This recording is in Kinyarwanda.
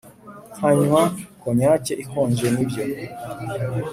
nkanywa konyake ikonje nibyo